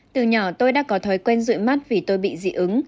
từ nhỏ tôi đã có thói quen ruội mắt vì tôi bị dị ứng